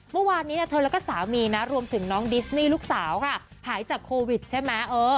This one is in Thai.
เมื่อวานนี้เธอแล้วก็สามีนะรวมถึงน้องดิสนี่ลูกสาวค่ะหายจากโควิดใช่ไหม